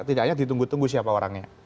tidak hanya ditunggu tunggu siapa orangnya